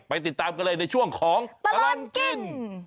ไปติดตามกันเลยในช่วงของประรณกิน